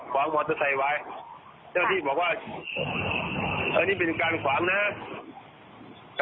ขวางบอกจะใส่ไว้เจ้าหน้าที่บอกว่าอันนี้เป็นการขวางนะครับ